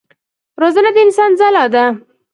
روزنه د انسان ځلا ده.